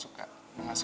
kek kemana ya